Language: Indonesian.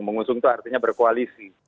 mengusung itu artinya berkoalisi